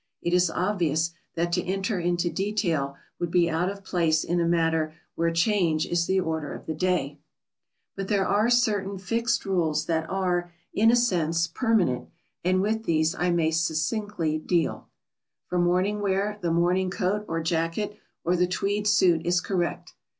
It is obvious that to enter into detail would be out of place in a matter where change is the order of the day. [Sidenote: "Certain fixed rules."] But there are certain fixed rules that are, in a sense, permanent, and with these I may succinctly deal. [Sidenote: For morning wear.] For morning wear the morning coat or jacket or the tweed suit is correct.